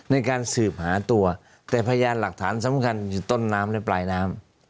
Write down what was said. ในการสืบหาตัวแต่พยานหลักฐานสำคัญอยู่ต้นน้ำและปลายน้ำ